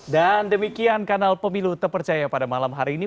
dan demikian kanal pemilu terpercaya pada malam hari ini